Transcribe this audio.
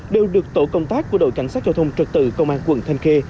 đều được tổ công tác của đội cảnh sát giao thông trật tự công an quận thanh khê